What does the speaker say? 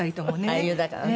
俳優だからね。